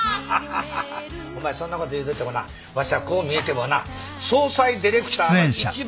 お前そんなこと言うとってもなわしはこう見えてもな葬祭ディレクターの一番上のな。